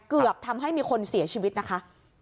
เกือบทำให้มีคนเสียชีวิตนะคะ